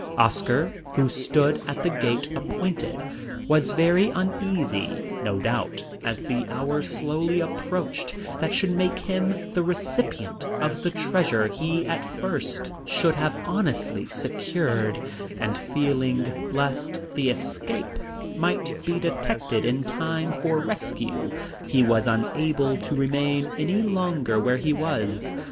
Oscar, who stood at the gate appointed, was very uneasy, no doubt, as the hour slowly approached that should make him the recipient of the treasure he at first should have honestly secured, and fearing lest the escape might be detected in time for rescue, he was unable to remain any longer where he was.